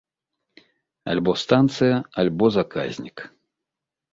Альбо станцыя, альбо заказнік.